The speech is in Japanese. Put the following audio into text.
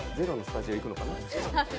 『ｚｅｒｏ』のスタジオ行くのかな？